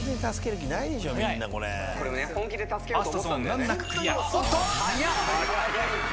ファーストゾーン難なくクリア。